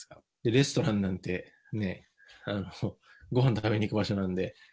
レストランなんて、ごはん食べに行く場所なんで。